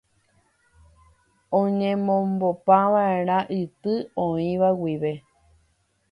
oñemombopava'erã yty oĩva guive